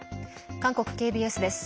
韓国ＫＢＳです。